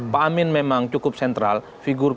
pak amin memang cukup sentral figur